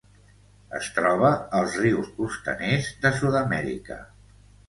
Es troba als rius costaners de Sud-amèrica.